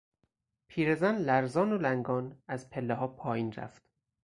پیرزن لرزان و لنگان از پلهها پایین رفت.